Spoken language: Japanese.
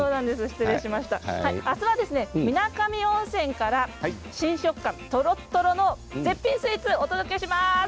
明日は水上温泉から新食感とろとろの絶品スイーツをご紹介します。